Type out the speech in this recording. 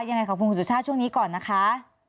ยังไงขอบคุณคุณสุชาติช่วงนี้ก่อนนะคะ